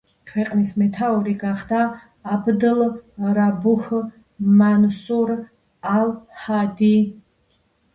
ქვეყნის მეთაური გახდა აბდ რაბუჰ მანსურ ალ-ჰადი.